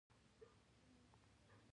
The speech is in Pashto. دېوال ووهه دېوال.